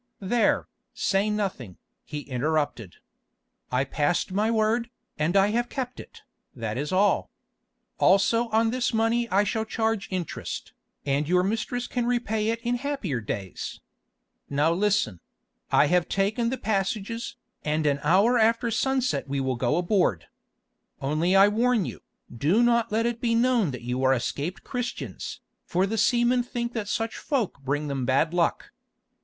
"There, say nothing," he interrupted. "I passed my word, and I have kept it, that is all. Also on this money I shall charge interest, and your mistress can repay it in happier days. Now listen: I have taken the passages, and an hour after sunset we will go aboard. Only I warn you, do not let it be known that you are escaped Christians, for the seamen think that such folk bring them bad luck.